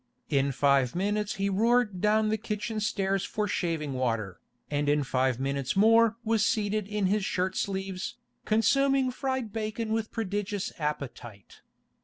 In five minutes he roared down the kitchen stairs for shaving water, and in five minutes more was seated in his shirt sleeves, consuming fried bacon with prodigious appetite.